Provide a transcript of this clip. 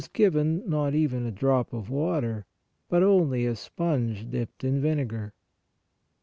28), and was given not even a drop of water, but only a sponge dipped in vinegar.